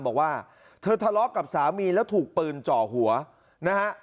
บอกว่าเธอทะเลาะกับสามีแล้วถูกปืนจ่อหัวนะฮะ